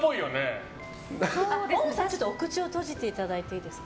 お口を閉じていただいていいですか。